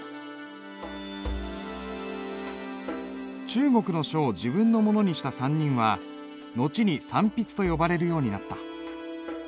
中国の書を自分のものにした３人は後に三筆と呼ばれるようになった。